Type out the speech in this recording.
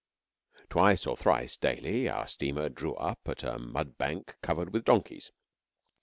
Twice or thrice daily, our steamer drew up at a mud bank covered with donkeys.